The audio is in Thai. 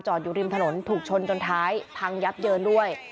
อยู่ริมถนนถูกชนจนท้ายพังยับเยินด้วย